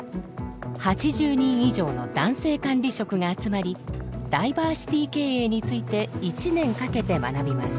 ８０人以上の男性管理職が集まりダイバーシティー経営について１年かけて学びます。